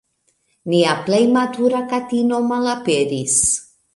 "Nia plej matura katino malaperis.